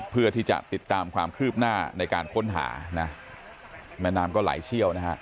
เพื่อที่จะติดตามความคืบหน้าในการค้นหานะแม่น้ำก็ไหลเชี่ยวนะฮะ